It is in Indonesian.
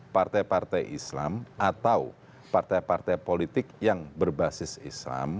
partai partai islam atau partai partai politik yang berbasis islam